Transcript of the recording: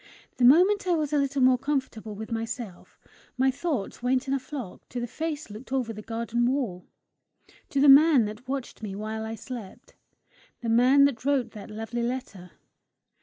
The moment I was a little more comfortable with myself, my thoughts went in a flock to the face that looked over the garden wall, to the man that watched me while I slept, the man that wrote that lovely letter.